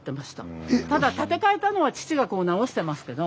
ただ建て替えたのは父が直してますけど。